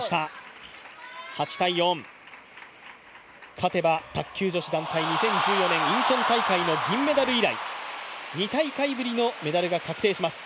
勝てば卓球女子団体２０１４年、インチョン大会の銀メダル以来、２大会ぶりのメダルが確定します。